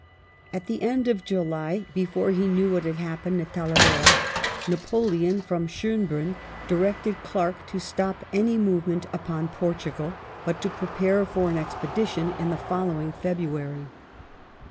At the end of July, before he knew what had happened at Talavera, Napoleon from Schonbrunn directed Clarke to stop any movement upon Portugal, but to prepare for an expedition in the following February.